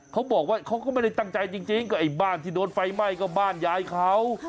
เขาก็ไม่ได้ตั้งใจจริงก็ไอ้บ้านที่โดนไฟไหม้ก็บ้านยายเขา